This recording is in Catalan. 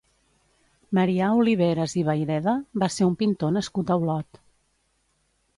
Marià Oliveras i Vayreda va ser un pintor nascut a Olot.